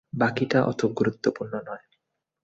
বাকিটা ওতো গুরুত্বপূর্ণ না।